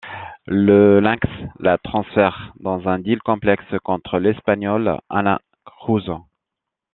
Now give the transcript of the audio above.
Le Lynx la transfère dans un deal complexe contre l'espagnole Anna Cruz.